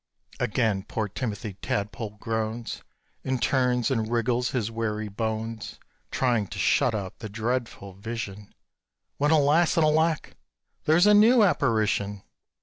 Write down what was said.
Again poor Timothy Tadpole groans, And turns and wriggles his weary bones, Trying to shut out the dreadful vision When, alas and alack! there's a new apparition!